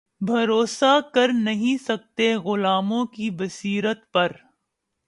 بھروسا کر نہیں سکتے غلاموں کی بصیرت پر